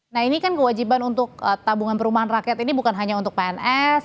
nah ini kan kewajiban untuk tabungan perumahan rakyat ini bukan hanya untuk pns